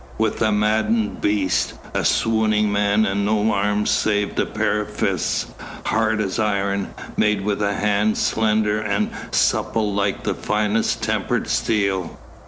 With a maddened beast, a swooning man and no arms save a pair of fists, hard as iron, made with a hand slender and supple like the finest tempered steel.